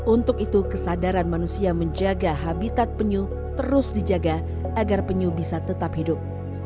untuk itu kesadaran manusia menjaga habitat penyu terus dijaga agar penyu bisa tetap hidup